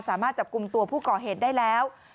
สามารถจับกลุ่มตัวผู้ก่อเหตุได้แล้ว